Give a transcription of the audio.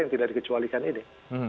yang tidak dikecualikan ini